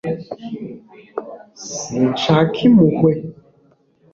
sinshaka impuhwe